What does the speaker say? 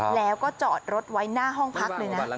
แล้วก็จอดรถไว้หน้าห้องพักเลยนะ